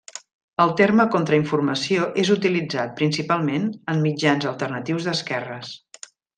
El terme contrainformació és utilitzat, principalment, en mitjans alternatius d'esquerres.